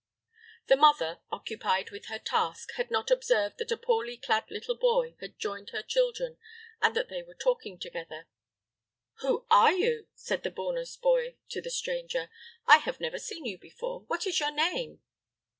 The mother, occupied with her task, had not observed that a poorly clad little boy had joined her children and that they were talking together. "Who are you?" said the Bornos boy to the stranger; "I have never seen you before. What is your name?"